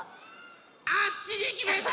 あっちにきめた！